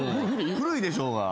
古いでしょうが。